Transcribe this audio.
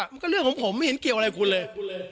มันก็เรื่องของผมไม่เห็นเกี่ยวอะไรคุณเลย